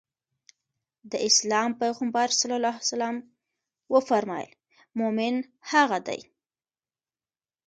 د اسلام پيغمبر ص وفرمايل مومن هغه دی.